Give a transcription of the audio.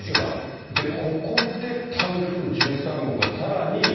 ここで台風１３号がさらに。